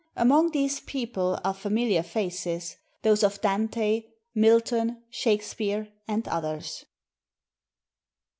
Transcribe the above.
Among these people are familiar faces, — those of Dante, Milton, Shakespeare, and others.